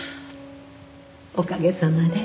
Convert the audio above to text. おかげさまで。